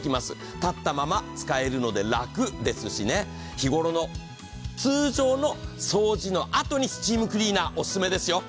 立ったまま使えるので楽ですしね日頃の通常の掃除のあとにスチームクリーナーお薦めです。